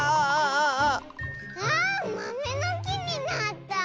あまめの「き」になった。